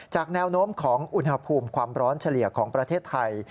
แนวโน้มของอุณหภูมิความร้อนเฉลี่ยของประเทศไทย